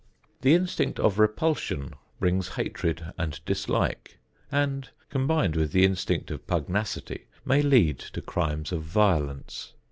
The instinct of repulsion brings hatred and dislike and, combined with the instinct of pugnacity, may lead to crimes of violence.